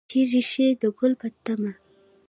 چې ریښې د ګل په تمه